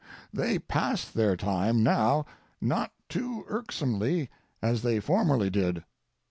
They pass their time now not too irksomely as they formerly did.